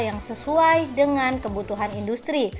yang sesuai dengan kebutuhan industri